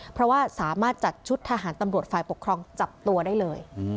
เพราะว่าสามารถจัดชุดทหารตำรวจฝ่ายปกครองจับตัวได้เลย